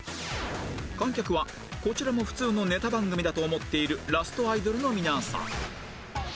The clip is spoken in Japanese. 観客はこちらも普通のネタ番組だと思っているラストアイドルの皆さん